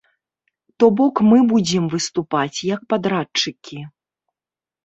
То бок мы будзем выступаць як падрадчыкі.